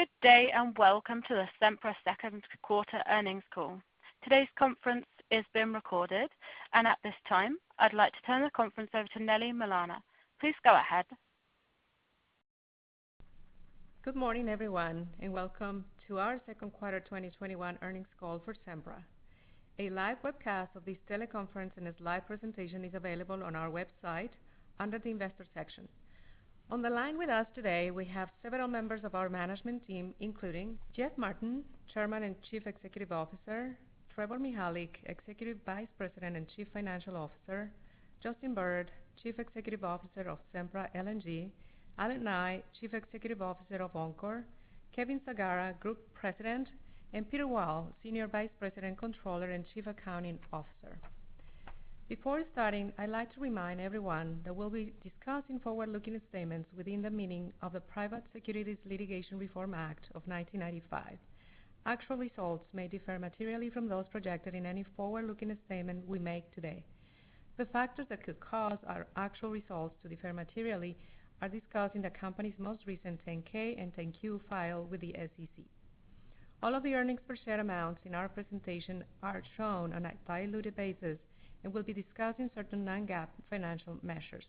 Good day, and welcome to the Sempra second quarter earnings call. Today's conference is being recorded. At this time, I'd like to turn the conference over to Nelly Molina. Please go ahead. Good morning, everyone, and welcome to our second quarter 2021 earnings call for Sempra. A live webcast of this teleconference and its live presentation is available on our website under the investor section. On the line with us today, we have several members of our management team, including Jeff Martin, Chairman and Chief Executive Officer, Trevor Mihalik, Executive Vice President and Chief Financial Officer, Justin Bird, Chief Executive Officer of Sempra LNG, Allen Nye, Chief Executive Officer of Oncor, Kevin Sagara, Group President, and Peter Wall, Senior Vice President, Controller, and Chief Accounting Officer. Before starting, I'd like to remind everyone that we'll be discussing forward-looking statements within the meaning of the Private Securities Litigation Reform Act of 1995. Actual results may differ materially from those projected in any forward-looking statement we make today. The factors that could cause our actual results to differ materially are discussed in the company's most recent 10-K and 10-Q filed with the SEC. All of the earnings per share amounts in our presentation are shown on a diluted basis. We will be discussing certain non-GAAP financial measures.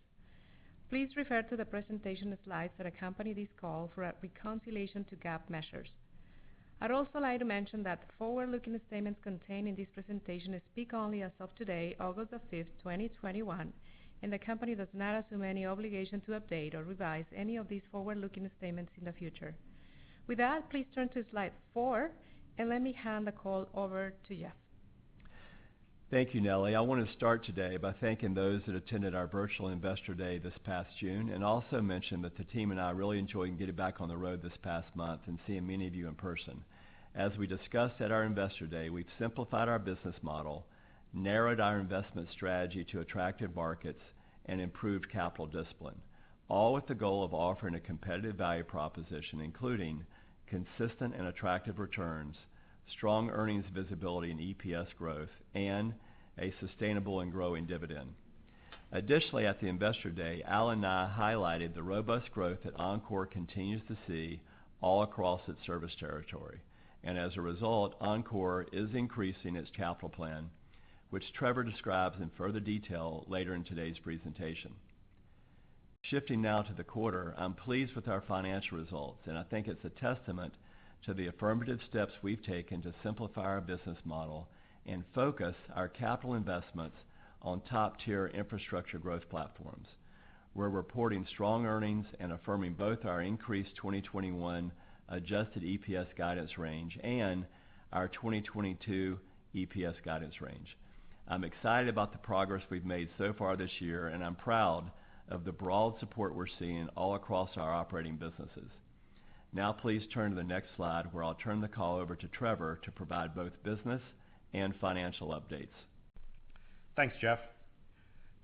Please refer to the presentation slides that accompany this call for a reconciliation to GAAP measures. I'd also like to mention that forward-looking statements contained in this presentation speak only as of today, August 5, 2021. The company does not assume any obligation to update or revise any of these forward-looking statements in the future. With that, please turn to slide 4. Let me hand the call over to Jeff. Thank you, Nelly. I want to start today by thanking those that attended our virtual Investor Day this past June and also mention that the team and I really enjoyed getting back on the road this past month and seeing many of you in person. As we discussed at our Investor Day, we've simplified our business model, narrowed our investment strategy to attractive markets, and improved capital discipline, all with the goal of offering a competitive value proposition, including consistent and attractive returns, strong earnings visibility and EPS growth, and a sustainable and growing dividend. Additionally, at the Investor Day, Allen Nye highlighted the robust growth that Oncor continues to see all across its service territory. As a result, Oncor is increasing its capital plan, which Trevor describes in further detail later in today's presentation. Shifting now to the quarter, I'm pleased with our financial results. I think it's a testament to the affirmative steps we've taken to simplify our business model and focus our capital investments on top-tier infrastructure growth platforms. We're reporting strong earnings and affirming both our increased 2021 adjusted EPS guidance range and our 2022 EPS guidance range. I'm excited about the progress we've made so far this year, and I'm proud of the broad support we're seeing all across our operating businesses. Please turn to the next slide, where I'll turn the call over to Trevor to provide both business and financial updates. Thanks, Jeff.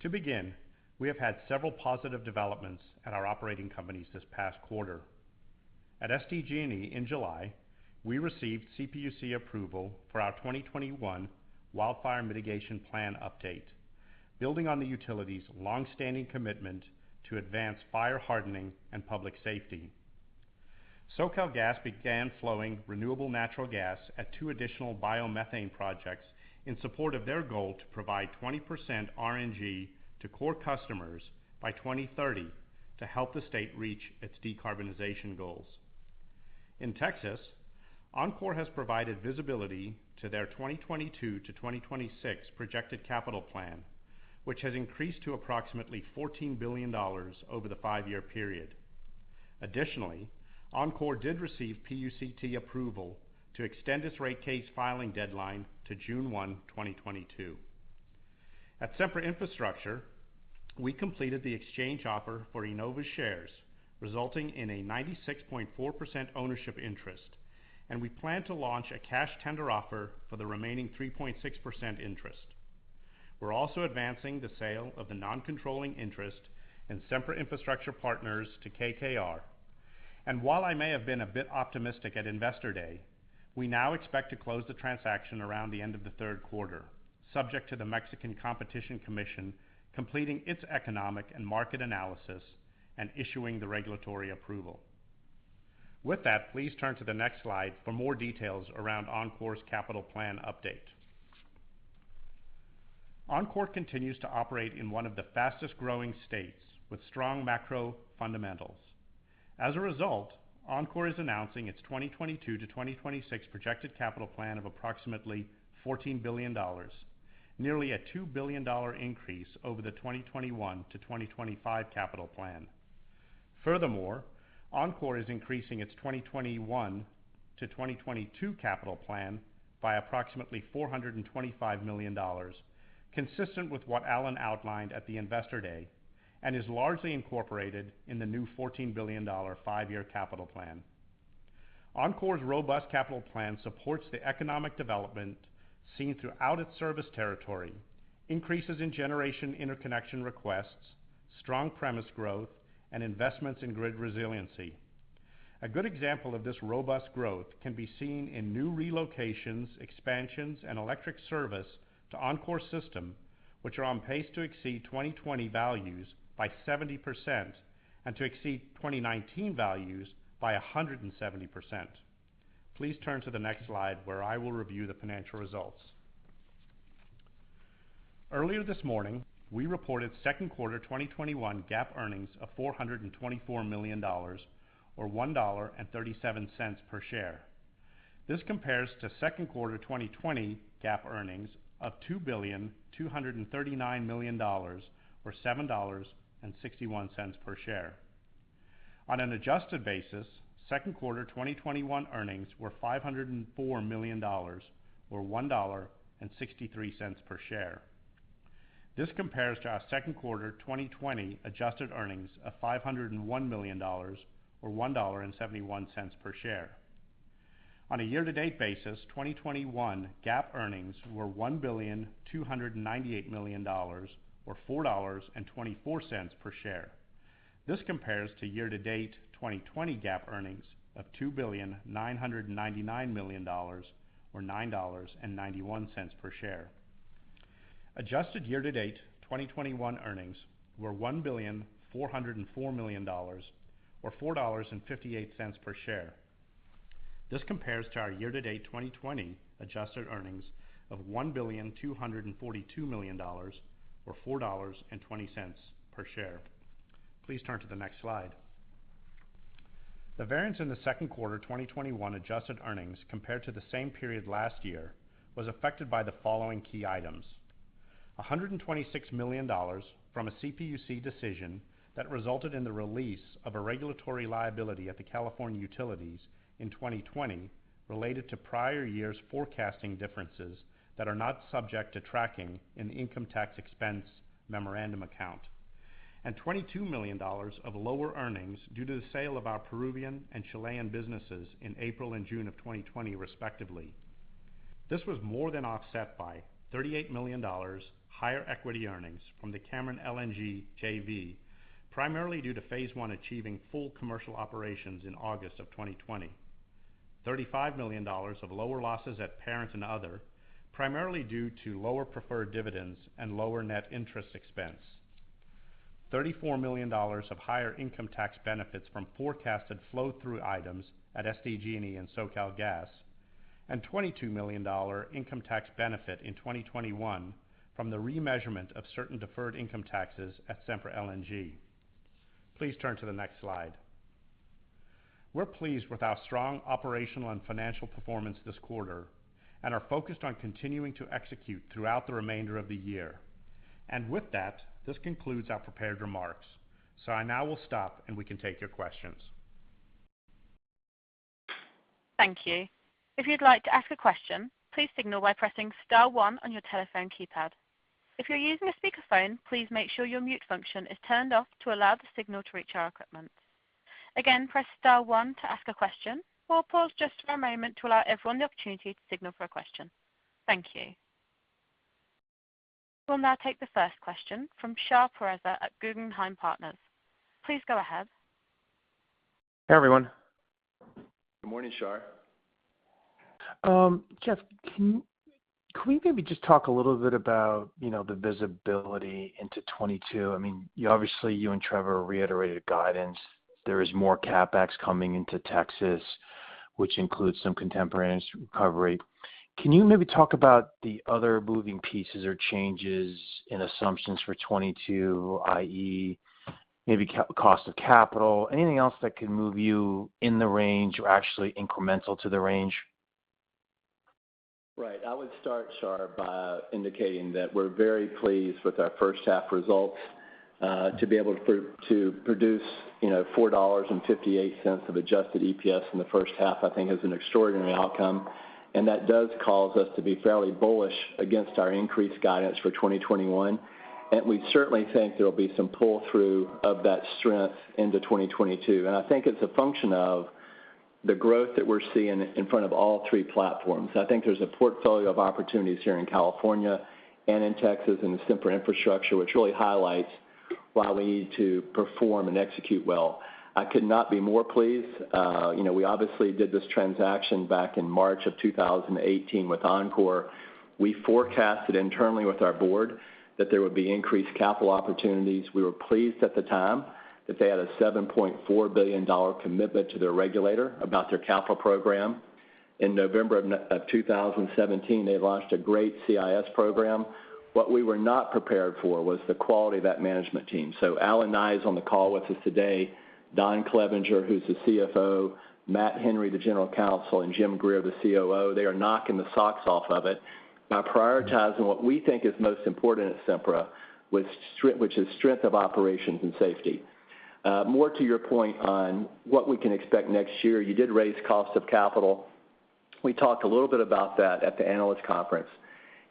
To begin, we have had several positive developments at our operating companies this past quarter. At SDG&E in July, we received CPUC approval for our 2021 wildfire mitigation plan update, building on the utility's long-standing commitment to advance fire hardening and public safety. SoCalGas began flowing renewable natural gas at two additional biomethane projects in support of their goal to provide 20% RNG to core customers by 2030 to help the state reach its decarbonization goals. In Texas, Oncor has provided visibility to their 2022-2026 projected capital plan, which has increased to approximately $14 billion over the five-year period. Additionally, Oncor did receive PUCT approval to extend its rate case filing deadline to June 1, 2022. At Sempra Infrastructure, we completed the exchange offer for IEnova's shares, resulting in a 96.4% ownership interest, and we plan to launch a cash tender offer for the remaining 3.6% interest. While I may have been a bit optimistic at Investor Day, we now expect to close the transaction around the end of the third quarter, subject to the Mexican Competition Commission completing its economic and market analysis and issuing the regulatory approval. With that, please turn to the next slide for more details around Oncor's capital plan update. Oncor continues to operate in one of the fastest-growing states with strong macro fundamentals. As a result, Oncor is announcing its 2022-2026 projected capital plan of approximately $14 billion, nearly a $2 billion increase over the 2021 to 2025 capital plan. Furthermore, Oncor is increasing its 2021-2022 capital plan by approximately $425 million, consistent with what Allen Nye outlined at the Investor Day, and is largely incorporated in the new $14 billion five-year capital plan. Oncor's robust capital plan supports the economic development seen throughout its service territory, increases in generation interconnection requests, strong premise growth, and investments in grid resiliency. A good example of this robust growth can be seen in new relocations, expansions, and electric service to Oncor's system, which are on pace to exceed 2020 values by 70% and to exceed 2019 values by 170%. Please turn to the next slide, where I will review the financial results. Earlier this morning, we reported second quarter 2021 GAAP earnings of $424 million, or $1.37 per share. This compares to second quarter 2020 GAAP earnings of $2.239 billion, or $7.61 per share. On an adjusted basis, second quarter 2021 earnings were $504 million, or $1.63 per share. This compares to our second quarter 2020 adjusted earnings of $501 million, or $1.71 per share. On a year-to-date basis, 2021 GAAP earnings were $1,298,000,000, or $4.24 per share. This compares to year-to-date 2020 GAAP earnings of $2,999,000,000, or $9.91 per share. Adjusted year-to-date 2021 earnings were $1,404,000,000, or $4.58 per share. This compares to our year-to-date 2020 adjusted earnings of $1,242,000,000, or $4.20 per share. Please turn to the next slide. The variance in the second quarter 2021 adjusted earnings compared to the same period last year was affected by the following key items: $126 million from a CPUC decision that resulted in the release of a regulatory liability at the California Utilities in 2020 related to prior years' forecasting differences that are not subject to tracking in the income tax expense memorandum account, and $22 million of lower earnings due to the sale of our Peruvian and Chilean businesses in April and June of 2020, respectively. This was more than offset by $38 million higher equity earnings from the Cameron LNG JV, primarily due to Phase 1 achieving full commercial operations in August 2020, $35 million of lower losses at parent and other, primarily due to lower preferred dividends and lower net interest expense, $34 million of higher income tax benefits from forecasted flow-through items at SDG&E and SoCalGas, and $22 million income tax benefit in 2021 from the remeasurement of certain deferred income taxes at Sempra LNG. Please turn to the next slide. We're pleased with our strong operational and financial performance this quarter, and are focused on continuing to execute throughout the remainder of the year. With that, this concludes our prepared remarks. I now will stop, and we can take your questions. Thank you. If you'd like to ask a question, please signal by pressing star one on your telephone keypad. If you're using a speakerphone, please make sure your mute function is turned off to allow the signal to reach our equipment. Again, press star one to ask a question. We'll pause just for a moment to allow everyone the opportunity to signal for a question. Thank you. We'll now take the first question from Shar Pourreza at Guggenheim Partners. Please go ahead. Hey, everyone. Good morning, Shar. Jeff, can we maybe just talk a little bit about the visibility into 2022? Obviously, you and Trevor reiterated guidance. There is more CapEx coming into Texas, which includes some contemporaneous recovery. Can you maybe talk about the other moving pieces or changes in assumptions for 2022, i.e., maybe cost of capital, anything else that can move you in the range or actually incremental to the range? Right. I would start, Shar, by indicating that we're very pleased with our first-half results. To be able to produce $4.58 of adjusted EPS in the first half, I think is an extraordinary outcome. That does cause us to be fairly bullish against our increased guidance for 2021. We certainly think there'll be some pull-through of that strength into 2022. I think it's a function of the growth that we're seeing in front of all three platforms. I think there's a portfolio of opportunities here in California and in Texas and in Sempra Infrastructure, which really highlights why we need to perform and execute well. I could not be more pleased. We obviously did this transaction back in March of 2018 with Oncor. We forecasted internally with our board that there would be increased capital opportunities. We were pleased at the time that they had a $7.4 billion commitment to their regulator about their capital program. In November of 2017, they launched a great CIS program. What we were not prepared for was the quality of that management team. Allen Nye is on the call with us today. Don Clevenger, who's the CFO, Matt Henry, the General Counsel, and James Greer, the COO. They are knocking the socks off of it by prioritizing what we think is most important at Sempra, which is strength of operations and safety. More to your point on what we can expect next year. You did raise cost of capital. We talked a little bit about that at the analyst conference,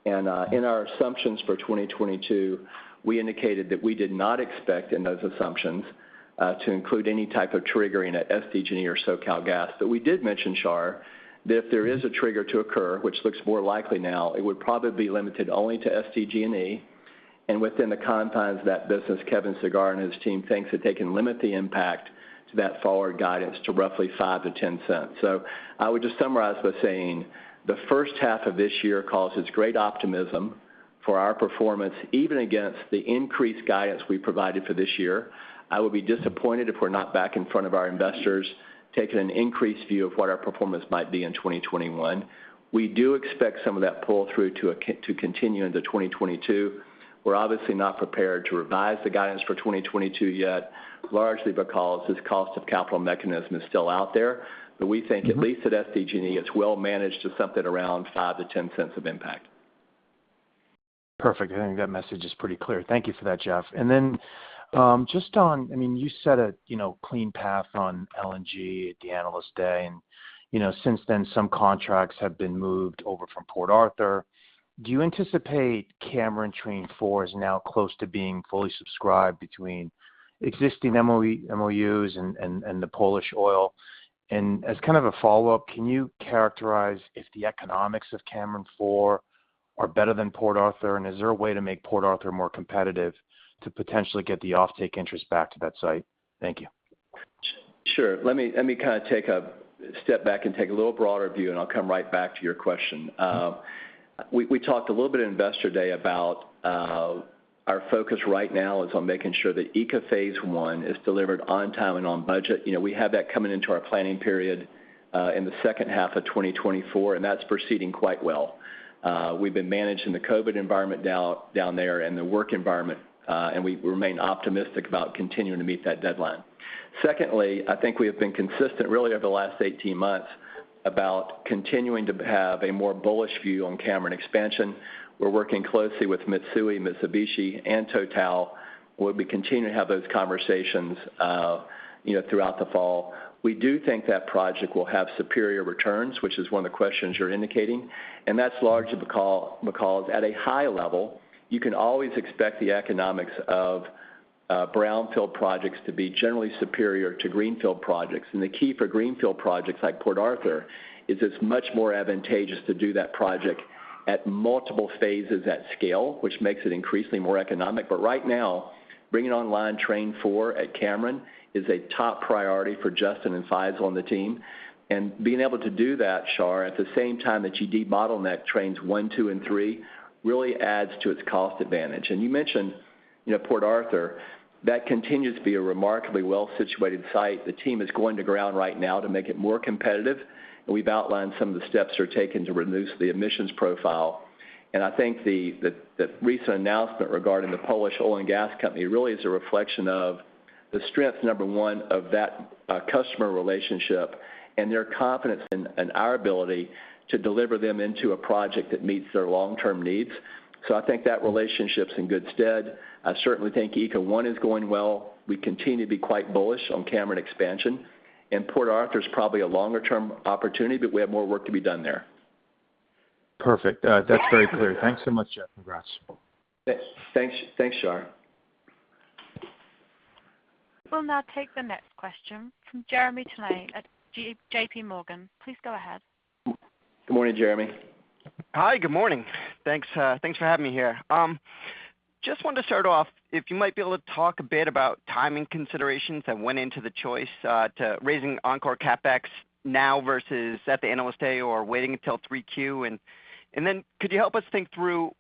and in our assumptions for 2022, we indicated that we did not expect in those assumptions to include any type of triggering at SDG&E or SoCalGas. We did mention, Shar, that if there is a trigger to occur, which looks more likely now, it would probably be limited only to SDG&E. Within the confines of that business, Kevin Sagara and his team thinks that they can limit the impact to that forward guidance to roughly $0.05-$0.10. I would just summarize by saying the first half of this year causes great optimism For our performance, even against the increased guidance we provided for this year, I will be disappointed if we're not back in front of our investors taking an increased view of what our performance might be in 2021. We do expect some of that pull-through to continue into 2022. We're obviously not prepared to revise the guidance for 2022 yet, largely because this cost of capital mechanism is still out there. We think at least at SDG&E, it's well managed to something around $0.05-$0.10 of impact. Perfect. I think that message is pretty clear. Thank you for that, Jeff. You set a clean path on LNG at the Analyst Day, and since then, some contracts have been moved over from Port Arthur. Do you anticipate Cameron Train 4 is now close to being fully subscribed between existing MOUs and the Polish Oil? As kind of a follow-up, can you characterize if the economics of Cameron 4 are better than Port Arthur? Is there a way to make Port Arthur more competitive to potentially get the offtake interest back to that site? Thank you. Sure. Let me kind of take a step back and take a little broader view, and I'll come right back to your question. We talked a little bit at Investor Day about our focus right now is on making sure that ECA phase I is delivered on time and on budget. We have that coming into our planning period, in the second half of 2024, and that's proceeding quite well. We've been managing the COVID environment down there and the work environment, and we remain optimistic about continuing to meet that deadline. Secondly, I think we have been consistent really over the last 18 months about continuing to have a more bullish view on Cameron expansion. We're working closely with Mitsui, Mitsubishi, and Total. We'll be continuing to have those conversations throughout the fall. We do think that project will have superior returns, which is one of the questions you're indicating, and that's largely because at a high level, you can always expect the economics of brownfield projects to be generally superior to greenfield projects. The key for greenfield projects like Port Arthur is it's much more advantageous to do that project at multiple phases at scale, which makes it increasingly more economic. Right now, bringing online Train 4 at Cameron is a top priority for Justin Bird and Faisel Khan on the team. Being able to do that, Shar Pourreza, at the same time that you debottleneck Trains 1, 2, and 3 really adds to its cost advantage. You mentioned Port Arthur. That continues to be a remarkably well-situated site. The team is going to ground right now to make it more competitive, and we've outlined some of the steps they're taking to reduce the emissions profile. I think the recent announcement regarding the Polish Oil and Gas Company really is a reflection of the strength, number one, of that customer relationship and their confidence in our ability to deliver them into a project that meets their long-term needs. I think that relationship's in good stead. I certainly think ECA phase I is going well. We continue to be quite bullish on Cameron LNG expansion. Port Arthur's probably a longer-term opportunity, but we have more work to be done there. Perfect. That's very clear. Thanks so much, Jeff. Congrats. Thanks, Shar. We'll now take the next question from Jeremy Tonet at JPMorgan. Please go ahead. Good morning, Jeremy. Hi, good morning. Thanks for having me here. Just wanted to start off, if you might be able to talk a bit about timing considerations that went into the choice to raising Oncor CapEx now versus at the Analyst Day or waiting until Q3. Could you help us think through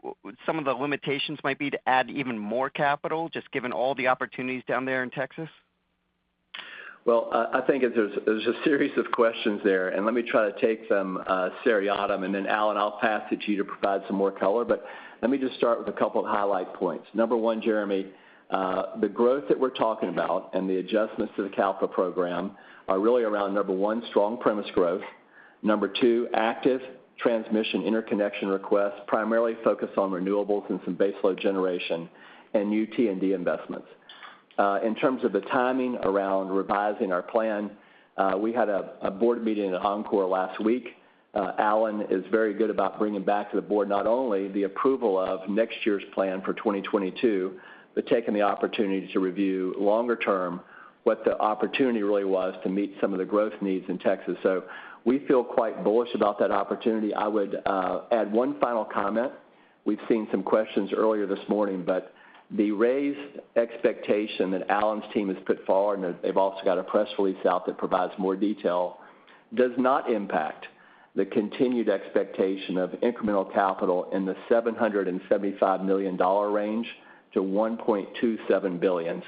some of the limitations might be to add even more capital, just given all the opportunities down there in Texas? Well, I think there's a series of questions there, and let me try to take them seriatim, and then Allen, I'll pass it to you to provide some more color. Let me just start with a couple of highlight points. Number 1, Jeremy, the growth that we're talking about and the adjustments to the CalPA program are really around, number 1, strong premise growth, number 2, active transmission interconnection requests, primarily focused on renewables and some base load generation, and new T&D investments. In terms of the timing around revising our plan, we had a board meeting at Oncor last week. Allen is very good about bringing back to the board not only the approval of next year's plan for 2022, but taking the opportunity to review longer-term what the opportunity really was to meet some of the growth needs in Texas. We feel quite bullish about that opportunity. I would add one final comment. We've seen some questions earlier this morning, but the raised expectation that Allen's team has put forward, and they've also got a press release out that provides more detail, does not impact the continued expectation of incremental capital in the $775 million-$1.27 billion.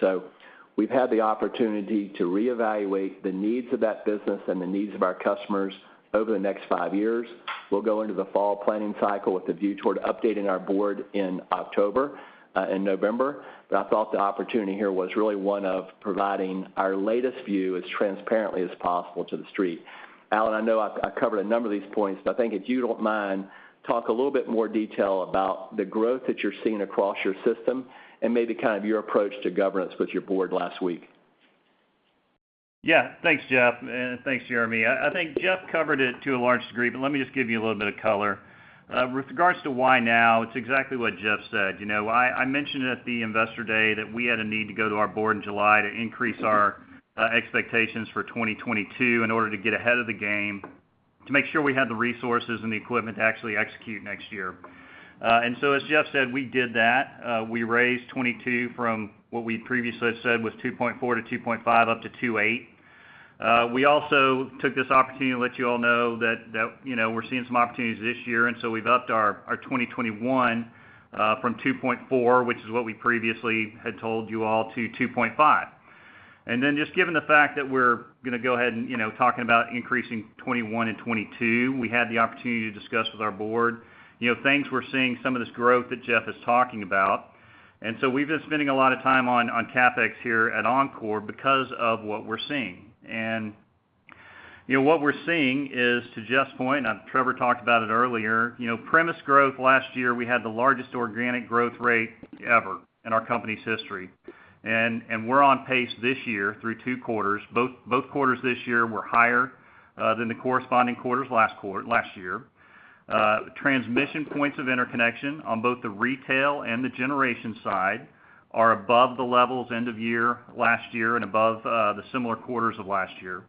We've had the opportunity to reevaluate the needs of that business and the needs of our customers over the next five years. We'll go into the fall planning cycle with a view toward updating our board in October and November. I thought the opportunity here was really one of providing our latest view as transparently as possible to the street. Allen Nye, I know I covered a number of these points. I think if you don't mind, talk a little bit more detail about the growth that you're seeing across your system and maybe kind of your approach to governance with your board last week. Yeah. Thanks, Jeff. Thanks, Jeremy. I think Jeff covered it to a large degree. Let me just give you a little bit of color. With regards to why now, it's exactly what Jeff said. I mentioned at the Investor Day that we had a need to go to our board in July to increase our expectations for 2022 in order to get ahead of the game to make sure we had the resources and the equipment to actually execute next year. As Jeff, we did that. We raised 2022 from what we previously said was $2.4-$2.5 up to $2.8. We also took this opportunity to let you all know that we're seeing some opportunities this year. We've upped our 2021 from $2.4, which is what we previously had told you all, to $2.5. Just given the fact that we're going to go ahead and talking about increasing 2021 and 2022, we had the opportunity to discuss with our board things we're seeing, some of this growth that Jeff is talking about. We've been spending a lot of time on CapEx here at Oncor because of what we're seeing. What we're seeing is, to Jeff's point, Trevor talked about it earlier, premise growth last year, we had the largest organic growth rate ever in our company's history. We're on pace this year through two quarters. Both quarters this year were higher than the corresponding quarters last year. Transmission points of interconnection on both the retail and the generation side are above the levels end of year last year and above the similar quarters of last year.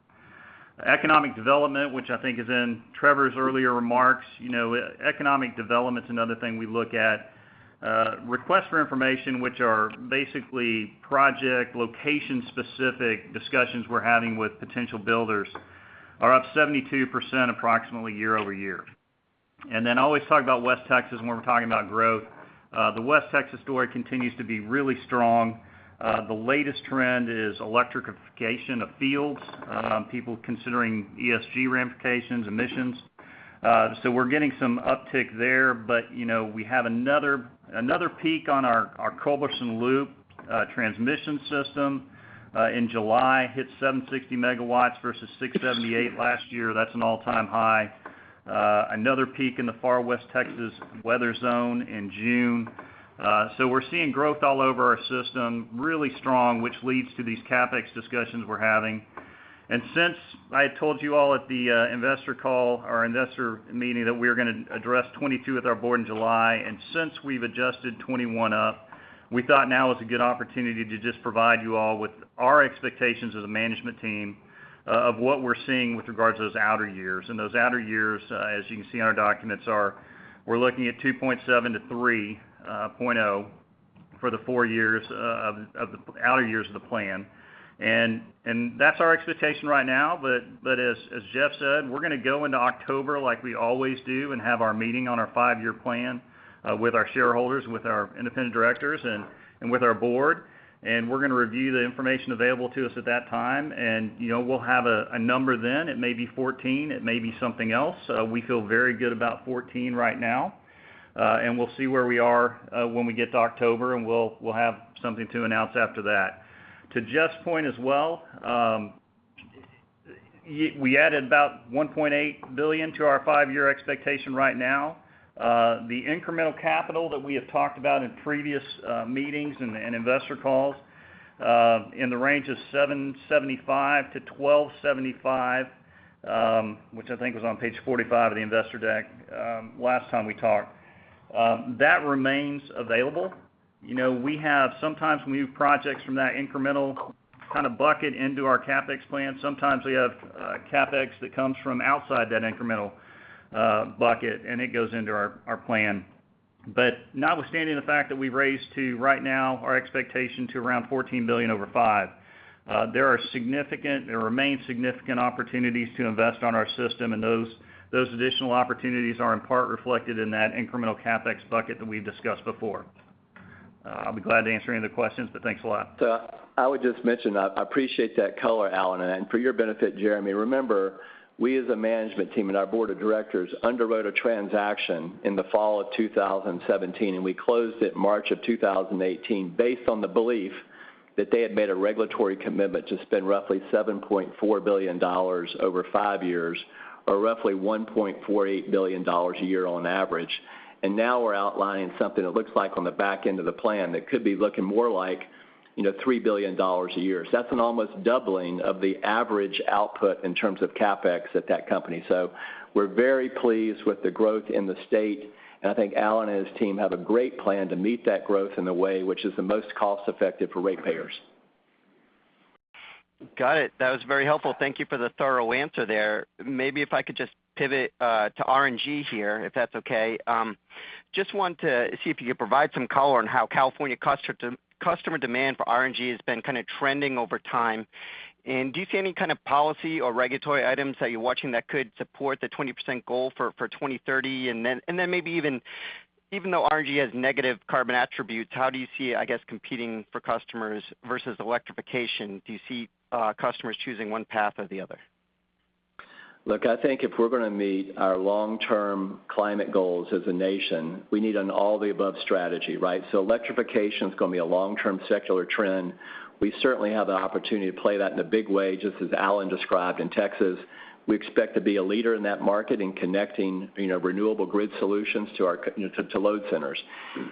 Economic development, which I think is in Trevor's earlier remarks. Economic development's another thing we look at. Requests for information, which are basically project location-specific discussions we're having with potential builders, are up 72% approximately year-over-year. I always talk about West Texas when we're talking about growth. The West Texas story continues to be really strong. The latest trend is electrification of fields, people considering ESG ramifications, emissions. we're getting some uptick there, but we have another peak on our Culberson Loop transmission system in July. Hit 760 MW versus 678 MW last year. That's an all-time high. Another peak in the far West Texas weather zone in June. We're seeing growth all over our system, really strong, which leads to these CapEx discussions we're having. Since I had told you all at the investor call or investor meeting that we were going to address 2022 with our board in July, and since we've adjusted 2021 up, we thought now is a good opportunity to just provide you all with our expectations as a management team of what we're seeing with regards to those outer years. Those outer years, as you can see on our documents are, we're looking at $2.7 billion-$3.0 billion for the 4 years of the outer years of the plan. That's our expectation right now, but as Jeff said, we're going to go into October like we always do and have our meeting on our five-year plan with our shareholders, with our independent directors, and with our board, and we're going to review the information available to us at that time. We'll have a number then. It may be 14, it may be something else. We feel very good about 14 right now. We'll see where we are when we get to October, and we'll have something to announce after that. To Jeff's point as well, we added about $1.8 billion to our five-year expectation right now. The incremental capital that we have talked about in previous meetings and investor calls in the range of $775 million-$1,275 million, which I think was on page 45 of the investor deck last time we talked, that remains available. Sometimes when we move projects from that incremental kind of bucket into our CapEx plan, sometimes we have CapEx that comes from outside that incremental bucket, and it goes into our plan. Notwithstanding the fact that we've raised to, right now, our expectation to around $14 billion over 5, there remain significant opportunities to invest on our system, and those additional opportunities are in part reflected in that incremental CapEx bucket that we've discussed before. I'll be glad to answer any other questions, but thanks a lot. I would just mention, I appreciate that color, Allen, and for your benefit, Jeremy, remember, we as a management team and our board of directors underwrote a transaction in the fall of 2017, and we closed it March of 2018 based on the belief that they had made a regulatory commitment to spend roughly $7.4 billion over 5 years, or roughly $1.48 billion a year on average. Now we're outlining something that looks like on the back end of the plan that could be looking more like $3 billion a year. That's an almost doubling of the average output in terms of CapEx at that company. We're very pleased with the growth in the state, and I think Allen and his team have a great plan to meet that growth in a way which is the most cost-effective for ratepayers. Got it. That was very helpful. Thank you for the thorough answer there. Maybe if I could just pivot to RNG here, if that's okay. Just want to see if you could provide some color on how California customer demand for RNG has been kind of trending over time. Do you see any kind of policy or regulatory items that you're watching that could support the 20% goal for 2030? Then maybe even though RNG has negative carbon attributes, how do you see, I guess, competing for customers versus electrification? Do you see customers choosing one path or the other? Look, I think if we're going to meet our long-term climate goals as a nation, we need an all-of-the-above strategy, right? Electrification's going to be a long-term secular trend. We certainly have the opportunity to play that in a big way, just as Allen described in Texas. We expect to be a leader in that market in connecting renewable grid solutions to load centers.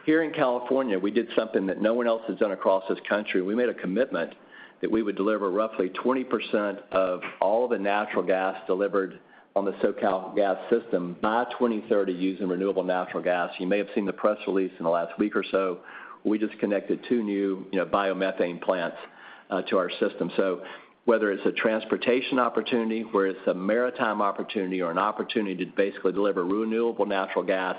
Here in California, we did something that no one else has done across this country. We made a commitment that we would deliver roughly 20% of all the natural gas delivered on the SoCalGas system by 2030 using renewable natural gas. You may have seen the press release in the last week or so. We just connected two new biomethane plants to our system. Whether it's a transportation opportunity, whether it's a maritime opportunity or an opportunity to basically deliver renewable natural gas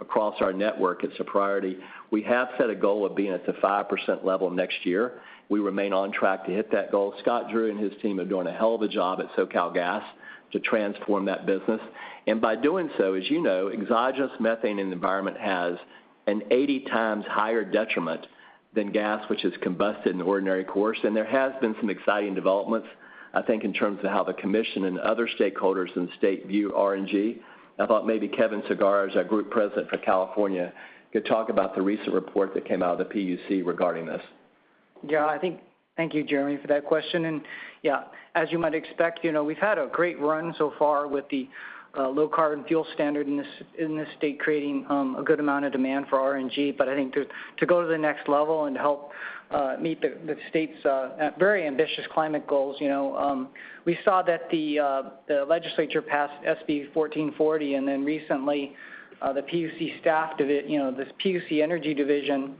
across our network, it's a priority. We have set a goal of being at the 5% level next year. We remain on track to hit that goal. Scott Drury and his team are doing a hell of a job at SoCalGas to transform that business. By doing so, as you know, exogenous methane in the environment has an 80 times higher detriment than gas which is combusted in the ordinary course. There has been some exciting developments, I think, in terms of how the commission and other stakeholders in the state view RNG. I thought maybe Kevin Sagara, as our Group President for California, could talk about the recent report that came out of the PUC regarding this. Yeah. Thank you, Jeremy, for that question. Yeah, as you might expect, we've had a great run so far with the Low Carbon Fuel Standard in this state creating a good amount of demand for RNG. I think to go to the next level and help meet the state's very ambitious climate goals, we saw that the legislature passed SB 1440, recently, the PUC Energy Division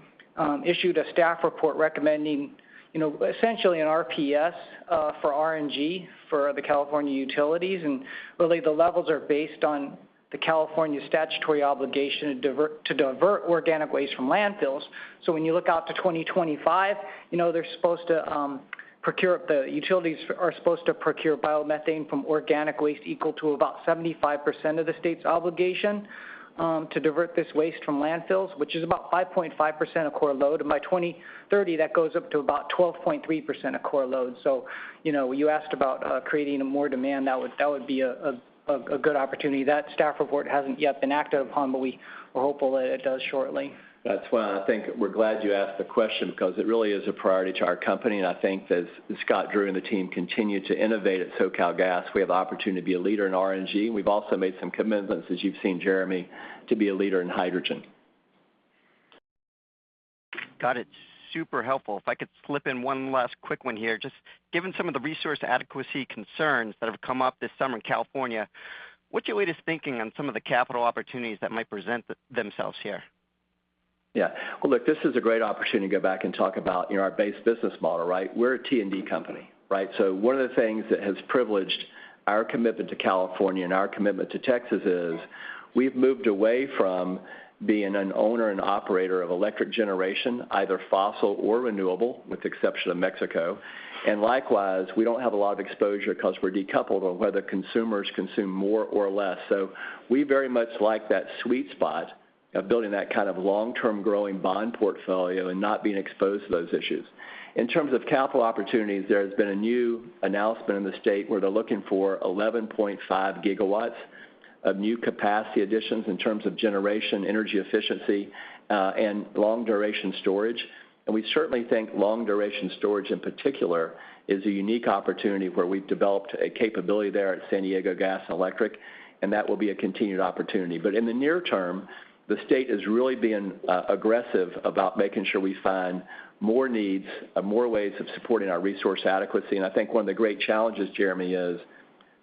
issued a staff report recommending essentially an RPS for RNG for the California utilities. Really, the levels are based on the California statutory obligation to divert organic waste from landfills. When you look out to 2025, the utilities are supposed to procure biomethane from organic waste equal to about 75% of the state's obligation to divert this waste from landfills, which is about 5.5% of core load. By 2030, that goes up to about 12.3% of core load. You asked about creating more demand. That would be a good opportunity. That staff report hasn't yet been acted upon, but we're hopeful that it does shortly. That's why I think we're glad you asked the question because it really is a priority to our company. I think as Scott Drury and the team continue to innovate at SoCalGas, we have the opportunity to be a leader in RNG. We've also made some commitments, as you've seen, Jeremy, to be a leader in hydrogen. Got it. Super helpful. If I could slip in one last quick one here, just given some of the resource adequacy concerns that have come up this summer in California, what's your latest thinking on some of the capital opportunities that might present themselves here? Yeah. Well, look, this is a great opportunity to go back and talk about our base business model, right? We're a T&D company, right? One of the things that has privileged our commitment to California and our commitment to Texas is we've moved away from being an owner and operator of electric generation, either fossil or renewable, with the exception of Mexico. Likewise, we don't have a lot of exposure because we're decoupled on whether consumers consume more or less. We very much like that sweet spot of building that kind of long-term growing bond portfolio and not being exposed to those issues. In terms of capital opportunities, there has been a new announcement in the state where they're looking for 11.5 GW of new capacity additions in terms of generation, energy efficiency, and long-duration storage. We certainly think long-duration storage, in particular, is a unique opportunity where we've developed a capability there at San Diego Gas & Electric, and that will be a continued opportunity. In the near term, the state is really being aggressive about making sure we find more needs, more ways of supporting our resource adequacy. I think one of the great challenges, Jeremy, is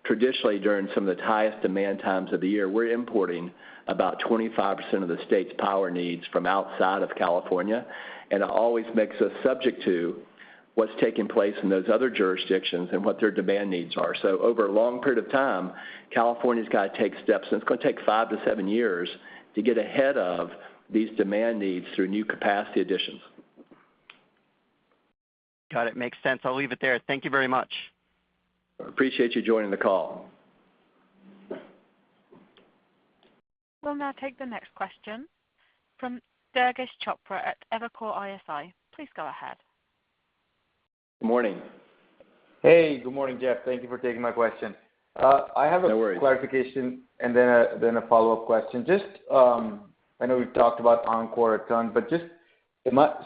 traditionally during some of the highest demand times of the year, we're importing about 25% of the state's power needs from outside of California, and it always makes us subject to what's taking place in those other jurisdictions and what their demand needs are. Over a long period of time, California's got to take steps, and it's going to take 5-7 years to get ahead of these demand needs through new capacity additions. Got it. Makes sense. I'll leave it there. Thank you very much. Appreciate you joining the call. We'll now take the next question from Durgesh Chopra at Evercore ISI. Please go ahead. Morning. Hey, good morning, Jeff. Thank you for taking my question. No worries. I have a clarification and then a follow-up question. I know we've talked about Oncor a ton, but just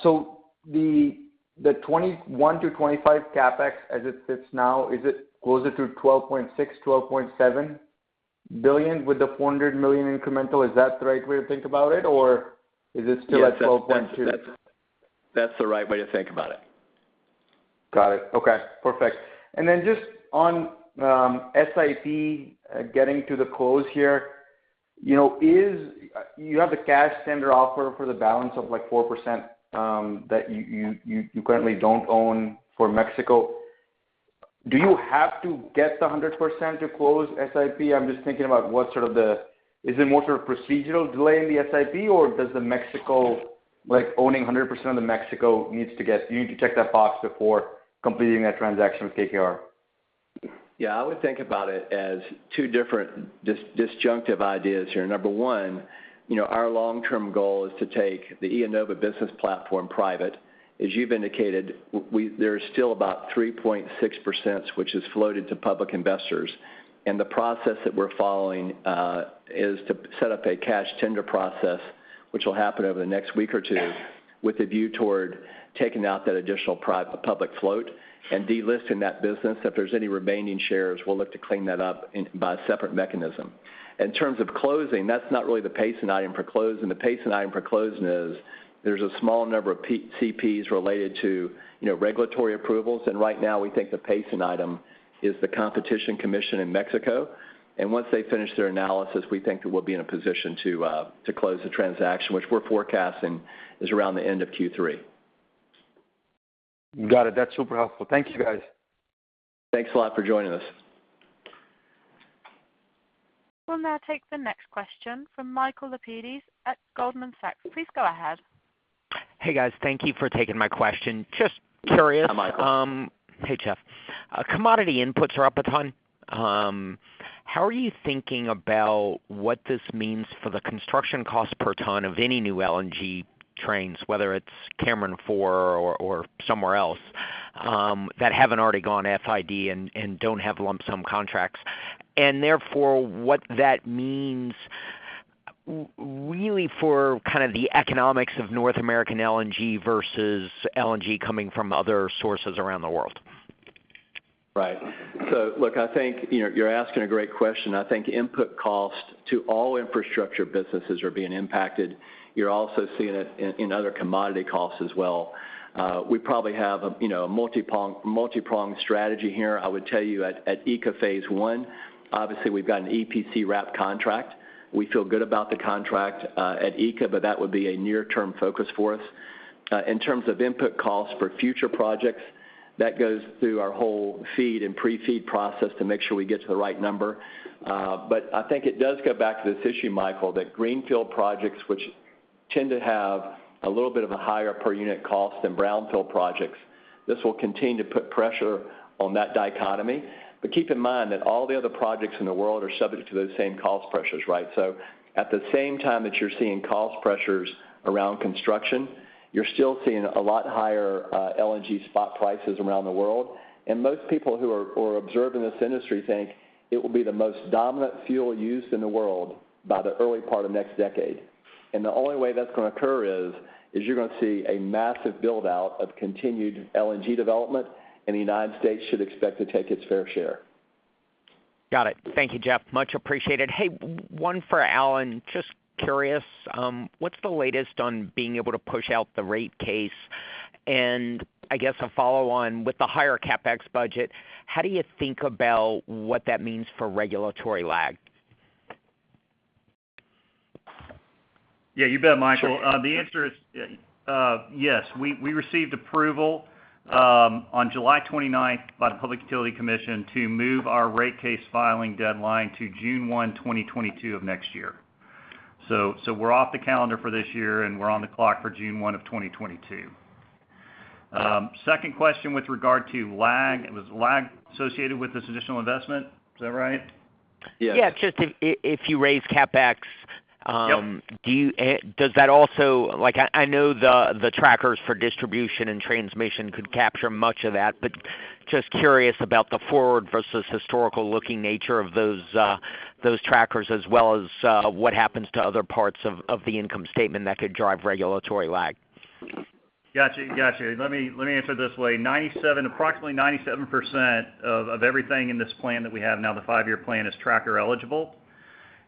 so the 2021 to 2025 CapEx as it sits now, is it closer to $12.6 billion, $12.7 billion with the $400 million incremental? Is that the right way to think about it, or is it still at $12.2 billion? That's the right way to think about it. Got it. Okay, perfect. Just on SIP getting to the close here. You have the cash tender offer for the balance of 4% that you currently don't own for Mexico. Do you have to get the 100% to close SIP? I'm just thinking about is it more sort of procedural delay in the SIP, or does the Mexico, owning 100% of the Mexico, you need to check that box before completing that transaction with KKR? Yeah, I would think about it as two different disjunctive ideas here. Number one, our long-term goal is to take the IEnova business platform private. As you've indicated, there is still about 3.6% which is floated to public investors. The process that we're following is to set up a cash tender process, which will happen over the next week or two with a view toward taking out that additional public float and delisting that business. If there's any remaining shares, we'll look to clean that up by a separate mechanism. In terms of closing, that's not really the pacing item for closing. The pacing item for closing is there's a small number of CPs related to regulatory approvals, and right now we think the pacing item is the Competition Commission in Mexico. Once they finish their analysis, we think that we'll be in a position to close the transaction, which we're forecasting is around the end of Q3. Got it. That's super helpful. Thank you, guys. Thanks a lot for joining us. We'll now take the next question from Michael Lapides at Goldman Sachs. Please go ahead. Hey, guys. Thank you for taking my question. Just curious. Hi, Michael. Hey, Jeff. Commodity inputs are up a ton. How are you thinking about what this means for the construction cost per ton of any new LNG trains, whether it's Cameron 4 or somewhere else, that haven't already gone FID and don't have lump sum contracts? Therefore, what that means really for the economics of North American LNG versus LNG coming from other sources around the world. Right. Look, I think you're asking a great question. I think input cost to all infrastructure businesses are being impacted. You're also seeing it in other commodity costs as well. We probably have a multi-pronged strategy here. I would tell you at ECA phase I, obviously we've got an EPC wrapped contract. We feel good about the contract at ECA, but that would be a near-term focus for us. In terms of input costs for future projects, that goes through our whole FEED and pre-FEED process to make sure we get to the right number. I think it does go back to this issue, Michael, that greenfield projects, which tend to have a little bit of a higher per unit cost than brownfield projects, this will continue to put pressure on that dichotomy. Keep in mind that all the other projects in the world are subject to those same cost pressures, right? At the same time that you're seeing cost pressures around construction, you're still seeing a lot higher LNG spot prices around the world. Most people who are observing this industry think it will be the most dominant fuel used in the world by the early part of next decade. The only way that's going to occur is you're going to see a massive build-out of continued LNG development, and the United States should expect to take its fair share. Got it. Thank you, Jeff. Much appreciated. Hey, one for Allen. Just curious, what's the latest on being able to push out the rate case? I guess a follow-on with the higher CapEx budget, how do you think about what that means for regulatory lag? Yeah, you bet, Michael. The answer is yes. We received approval on July 29th by the Public Utility Commission to move our rate case filing deadline to June 1, 2022 of next year. We're off the calendar for this year, and we're on the clock for June 1 of 2022. Second question with regard to lag. Was lag associated with this additional investment? Is that right? Yeah. Just if you raise CapEx- Yep. I know the trackers for distribution and transmission could capture much of that, but just curious about the forward versus historical-looking nature of those trackers as well as what happens to other parts of the income statement that could drive regulatory lag? Got you. Let me answer it this way. Approximately 97% of everything in this plan that we have now, the five-year plan, is tracker eligible.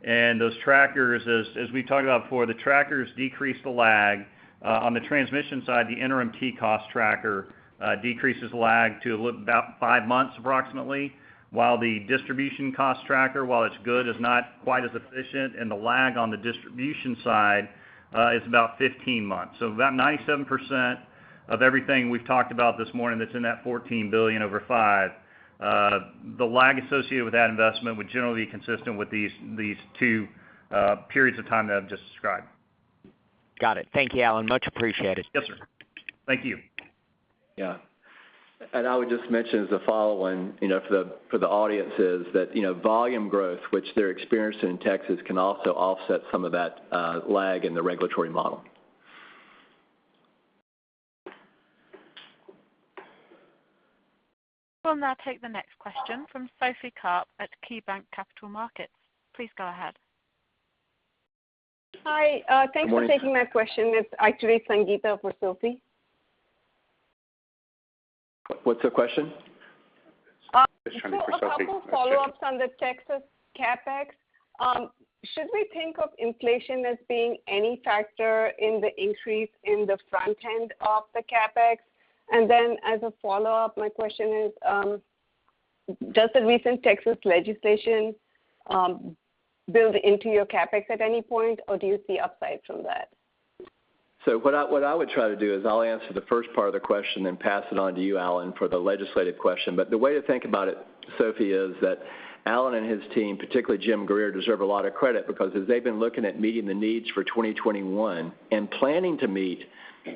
Those trackers, as we talked about before, the trackers decrease the lag. On the transmission side, the interim TCOS tracker decreases lag to about 5 months approximately, while the distribution cost tracker, while it's good, is not quite as efficient, and the lag on the distribution side is about 15 months. About 97% of everything we've talked about this morning that's in that $14 billion over 5, the lag associated with that investment would generally be consistent with these two periods of time that I've just described. Got it. Thank you, Allen. Much appreciated. Yes, sir. Thank you. Yeah. I would just mention as a follow-on for the audience is that volume growth, which they're experiencing in Texas, can also offset some of that lag in the regulatory model. We'll now take the next question from Sophie Karp at KeyBanc Capital Markets. Please go ahead. Hi. Thanks for taking my question. It's Sangita Jain for Sophie. What's her question? Just trying to get Sophie connected. A couple follow-ups on the Texas CapEx. Should we think of inflation as being any factor in the increase in the front end of the CapEx? As a follow-up, my question is, does the recent Texas legislation build into your CapEx at any point, or do you see upside from that? What I would try to do is I'll answer the first part of the question and pass it on to you, Allen, for the legislative question. The way to think about it, Sophie, is that Allen and his team, particularly Jim Glass, deserve a lot of credit because as they've been looking at meeting the needs for 2021 and planning to meet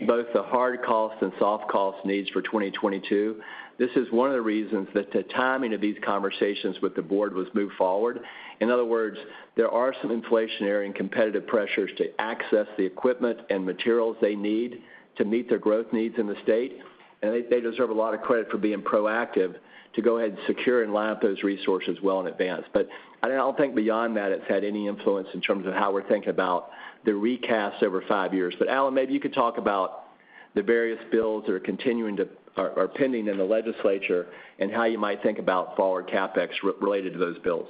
both the hard cost and soft cost needs for 2022, this is one of the reasons that the timing of these conversations with the board was moved forward. In other words, there are some inflationary and competitive pressures to access the equipment and materials they need to meet their growth needs in the state, and they deserve a lot of credit for being proactive to go ahead and secure and line up those resources well in advance. I don't think beyond that it's had any influence in terms of how we're thinking about the recast over 5 years. Allen, maybe you could talk about the various bills that are pending in the legislature, and how you might think about forward CapEx related to those bills.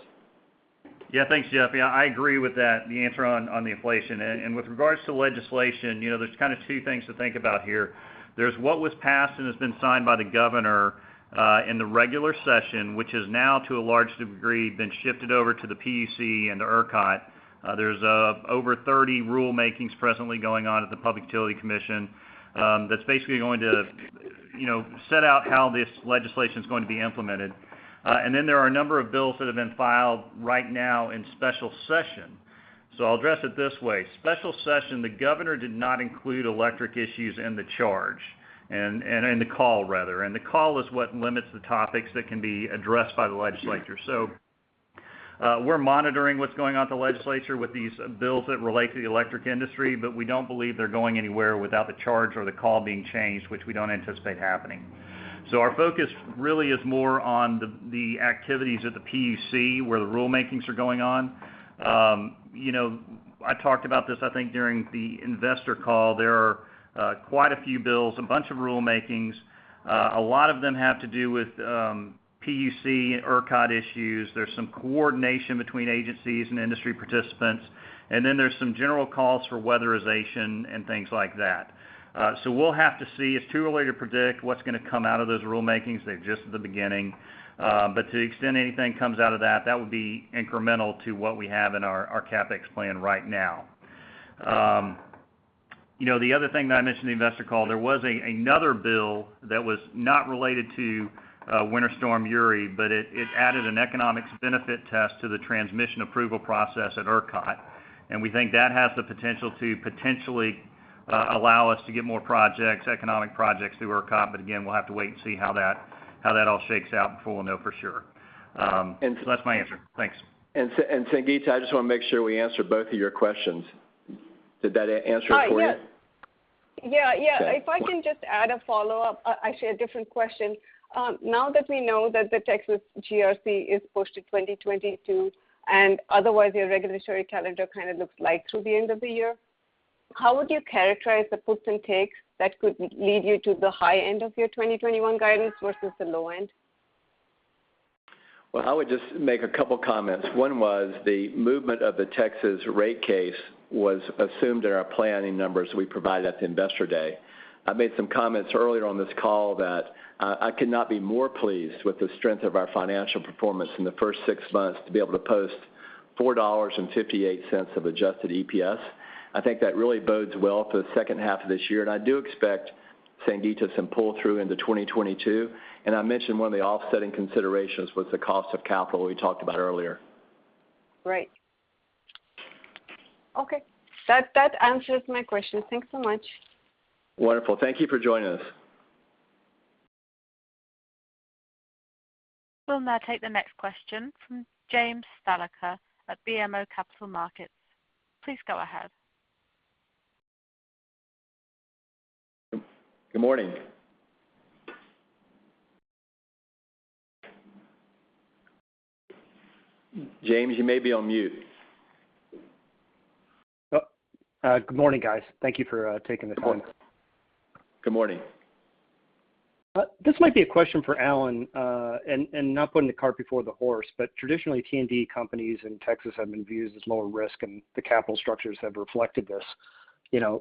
Yeah. Thanks, Jeff. I agree with that, the answer on the inflation. With regards to legislation, there's kind of two things to think about here. There's what was passed and has been signed by the governor in the regular session, which has now to a large degree been shifted over to the PUC and to ERCOT. There's over 30 rulemakings presently going on at the Public Utility Commission of Texas that's basically going to set out how this legislation's going to be implemented. Then there are a number of bills that have been filed right now in special session. I'll address it this way. Special session, the governor did not include electric issues in the charge, in the call rather, and the call is what limits the topics that can be addressed by the legislature. We're monitoring what's going on at the legislature with these bills that relate to the electric industry, but we don't believe they're going anywhere without the charge or the call being changed, which we don't anticipate happening. Our focus really is more on the activities of the PUC, where the rulemakings are going on. I talked about this, I think, during the investor call. There are quite a few bills, a bunch of rulemakings. A lot of them have to do with PUC and ERCOT issues. There's some coordination between agencies and industry participants, and then there's some general calls for weatherization and things like that. We'll have to see. It's too early to predict what's going to come out of those rulemakings. They're just at the beginning. To the extent anything comes out of that would be incremental to what we have in our CapEx plan right now. The other thing that I mentioned in the investor call, there was another bill that was not related to Winter Storm Uri, but it added an economics benefit test to the transmission approval process at ERCOT, and we think that has the potential to potentially allow us to get more projects, economic projects, through ERCOT. Again, we'll have to wait and see how that all shakes out before we'll know for sure. That's my answer. Thanks. Sangita, I just want to make sure we answer both of your questions. Did that answer it for you? Yes. If I can just add a follow-up, actually, a different question. Now that we know that the Texas GRC is pushed to 2022, and otherwise your regulatory calendar kind of looks light through the end of the year, how would you characterize the puts and takes that could lead you to the high end of your 2021 guidance versus the low end? Well, I would just make a couple comments. One was the movement of the Texas rate case was assumed in our planning numbers we provided at the investor day. I made some comments earlier on this call that I could not be more pleased with the strength of our financial performance in the first six months to be able to post $4.58 of adjusted EPS. I think that really bodes well for the second half of this year, and I do expect, Sangita, some pull-through into 2022. I mentioned one of the offsetting considerations was the cost of capital we talked about earlier. Right. Okay. That answers my question. Thanks so much. Wonderful. Thank you for joining us. We'll now take the next question from James Thalacker at BMO Capital Markets. Please go ahead. Good morning. James, you may be on mute. Good morning, guys. Thank you for taking this one. Good morning. This might be a question for Allen Nye, and not putting the cart before the horse, but traditionally, T&D companies in Texas have been viewed as lower risk, and the capital structures have reflected this.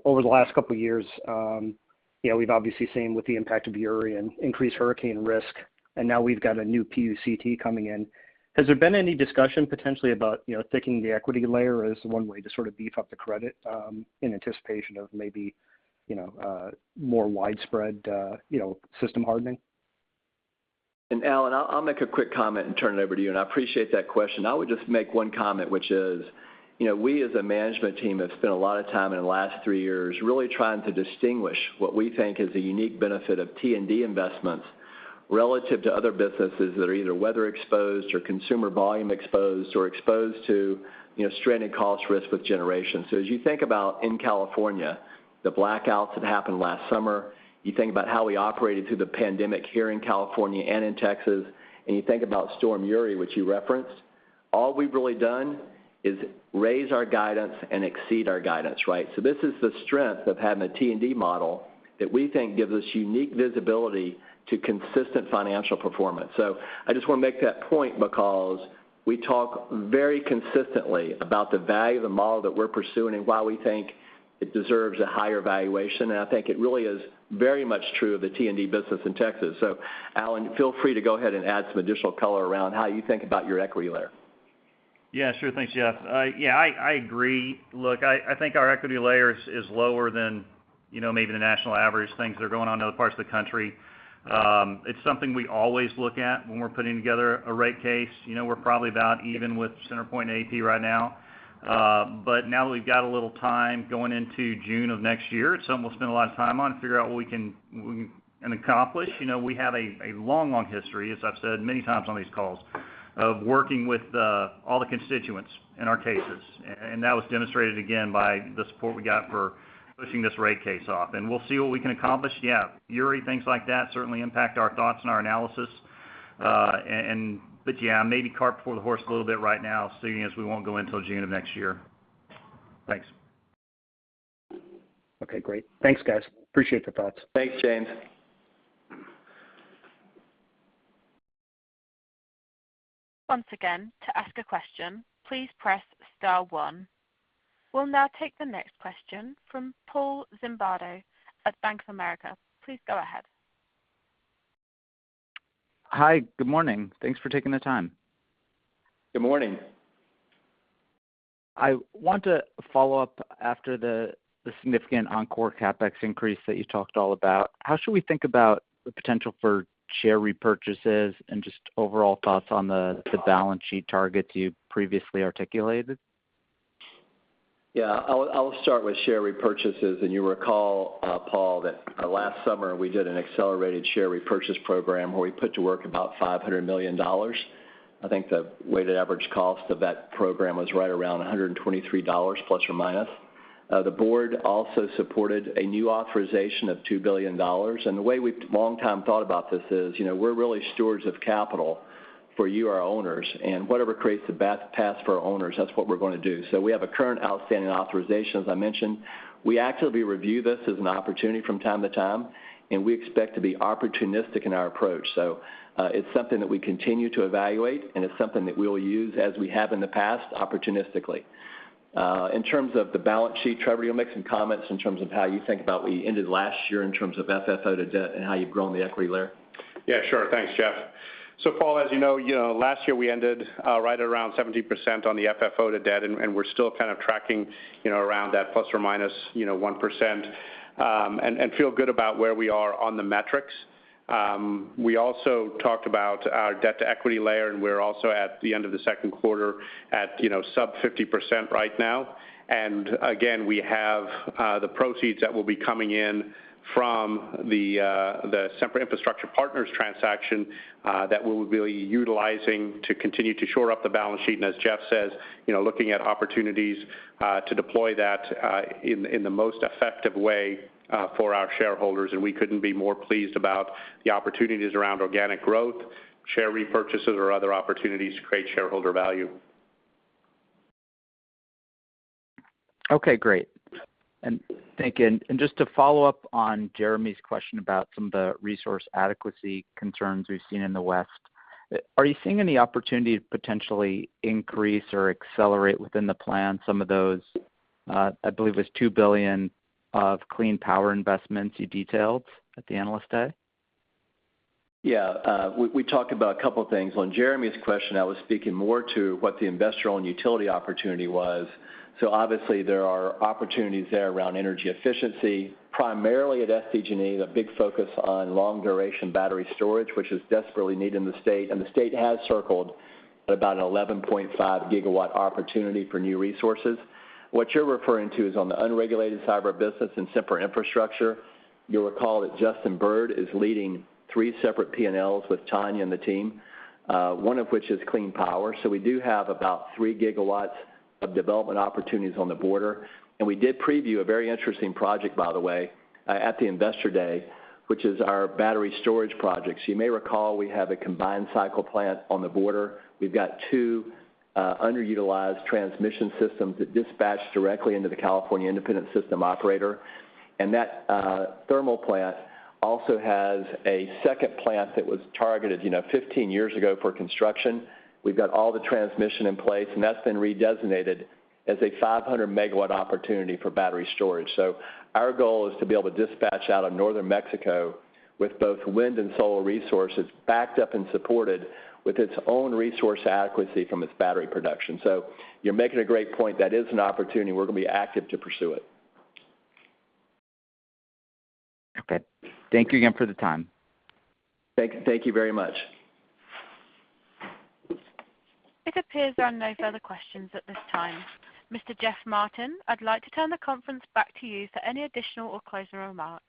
Over the last couple of years, we've obviously seen with the impact of Uri an increased hurricane risk, and now we've got a new PUCT coming in. Has there been any discussion potentially about thickening the equity layer as one way to sort of beef up the credit in anticipation of maybe more widespread system hardening? Allen, I'll make a quick comment and turn it over to you, and I appreciate that question. I would just make one comment, which is, we as a management team have spent a lot of time in the last three years really trying to distinguish what we think is the unique benefit of T&D investments relative to other businesses that are either weather exposed or consumer volume exposed or exposed to stranded cost risk with generation. As you think about in California, the blackouts that happened last summer, you think about how we operated through the pandemic here in California and in Texas, and you think about Storm Uri, which you referenced, all we've really done is raise our guidance and exceed our guidance, right. This is the strength of having a T&D model that we think gives us unique visibility to consistent financial performance. I just want to make that point because we talk very consistently about the value of the model that we're pursuing and why we think it deserves a higher valuation, and I think it really is very much true of the T&D business in Texas. Allen, feel free to go ahead and add some additional color around how you think about your equity layer. Yeah, sure. Thanks, Jeff. I agree. Look, I think our equity layer is lower than maybe the national average, things that are going on in other parts of the country. It's something we always look at when we're putting together a rate case. We're probably about even with CenterPoint and AEP right now. Now that we've got a little time going into June of next year, it's something we'll spend a lot of time on to figure out what we can accomplish. We have a long history, as I've said many times on these calls, of working with all the constituents in our cases, that was demonstrated again by the support we got for pushing this rate case off, we'll see what we can accomplish. Yeah, Uri, things like that certainly impact our thoughts and our analysis. Yeah, maybe cart before the horse a little bit right now, seeing as we won't go until June of next year. Thanks. Okay, great. Thanks, guys. Appreciate the thoughts. Thanks, James. We'll now take the next question from Paul Zimbardo at Bank of America. Please go ahead. Hi, good morning. Thanks for taking the time. Good morning. I want to follow up after the significant Oncor CapEx increase that you talked all about. How should we think about the potential for share repurchases and just overall thoughts on the balance sheet targets you previously articulated? Yeah. I'll start with share repurchases. You recall, Paul, that last summer we did an accelerated share repurchase program where we put to work about $500 million. I think the weighted average cost of that program was right around $123, plus or minus. The board also supported a new authorization of $2 billion. The way we've long time thought about this is, we're really stewards of capital for you, our owners, and whatever creates the best path for our owners, that's what we're going to do. We have a current outstanding authorization, as I mentioned. We actively review this as an opportunity from time to time, and we expect to be opportunistic in our approach. It's something that we continue to evaluate, and it's something that we will use, as we have in the past, opportunistically. In terms of the balance sheet, Trevor, you'll make some comments in terms of how you think about we ended last year in terms of FFO to debt and how you've grown the equity layer. Yeah, sure. Thanks, Jeff. Paul, as you know, last year we ended right around 17% on the FFO to-debt, and we're still kind of tracking around that ±1%, and feel good about where we are on the metrics. We also talked about our debt-to-equity layer, and we're also at the end of the second quarter at sub 50% right now. Again, we have the proceeds that will be coming in from the Sempra Infrastructure Partners transaction, that we'll be utilizing to continue to shore up the balance sheet. As Jeff says, looking at opportunities to deploy that in the most effective way for our shareholders, and we couldn't be more pleased about the opportunities around organic growth, share repurchases, or other opportunities to create shareholder value. Okay, great. Thank you. Just to follow up on Jeremy's question about some of the resource adequacy concerns we've seen in the West. Are you seeing any opportunity to potentially increase or accelerate within the plan some of those, I believe it was $2 billion of clean power investments you detailed at the Analyst Day? Yeah. We talked about a couple things. On Jeremy's question, I was speaking more to what the investor-owned utility opportunity was. Obviously there are opportunities there around energy efficiency, primarily at SDG&E, the big focus on long-duration battery storage, which is desperately needed in the state. The state has circled at about an 11.5 GW opportunity for new resources. What you're referring to is on the unregulated cyber business in Sempra Infrastructure. You'll recall that Justin Bird is leading 3 separate P&Ls with Tania and the team, one of which is clean power. We do have about 3 gigawatts of development opportunities on the border. We did preview a very interesting project, by the way, at the Investor Day, which is our battery storage projects. You may recall we have a combined cycle plant on the border. We've got two underutilized transmission systems that dispatch directly into the California Independent System Operator. That thermal plant also has a second plant that was targeted 15 years ago for construction. We've got all the transmission in place, and that's been redesignated as a 500-megawatt opportunity for battery storage. Our goal is to be able to dispatch out of Northern Mexico with both wind and solar resources backed up and supported with its own resource adequacy from its battery production. You're making a great point. That is an opportunity. We're going to be active to pursue it. Okay. Thank you again for the time. Thank you very much. It appears there are no further questions at this time. Mr. Jeffrey Martin, I'd like to turn the conference back to you for any additional or closing remarks.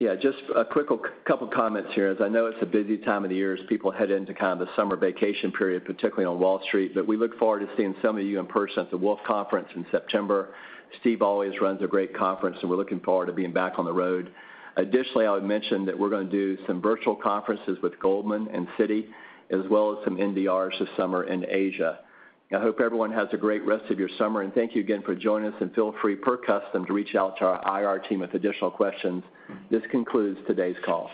Yeah, just a quick couple comments here, as I know it's a busy time of the year as people head into kind of the summer vacation period, particularly on Wall Street. We look forward to seeing some of you in person at the Wolfe Conference in September. Steve always runs a great conference, and we're looking forward to being back on the road. Additionally, I would mention that we're going to do some virtual conferences with Goldman and Citi, as well as some NDRs this summer in Asia. I hope everyone has a great rest of your summer, and thank you again for joining us, and feel free, per custom, to reach out to our IR team with additional questions. This concludes today's call.